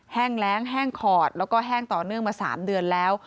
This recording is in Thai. แห้งแรงแห้งขอดแล้วก็แห้งต่อเนื่องมา๓เดือนแล้ว